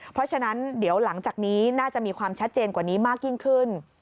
เพราะฉะนั้นเดี๋ยวหลังจากนี้น่าจะมีความชัดเจนกว่านี้มากยิ่งขึ้น